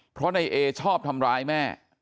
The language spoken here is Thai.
เพราะนายเอชอบทำร้ายแม่